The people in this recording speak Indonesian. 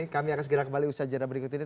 kami akan segera kembali usaha jadwal berikut ini